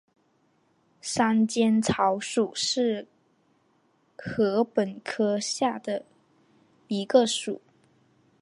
山涧草属是禾本科下的一个属。